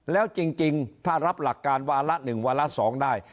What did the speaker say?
แล้วจริงถ้ารับหลักการวาระ๑วาระ๒ได้